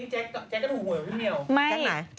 แจ๊คไหน